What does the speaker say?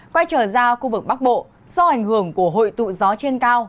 quay trở ra khu vực bắc bộ do ảnh hưởng của hội tụ gió trên cao